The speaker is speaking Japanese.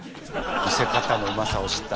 「見せ方のうまさを知った」。